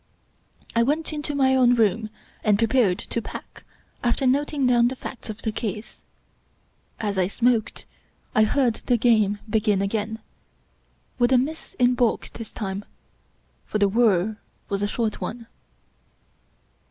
I went into my own room and prepared to pack after noting down the facts of the case. As I smoked I heard the game begin again, — ^with a miss in balk this time, for the whir was a short one.